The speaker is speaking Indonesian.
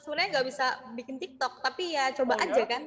sebenarnya nggak bisa bikin tiktok tapi ya coba aja kan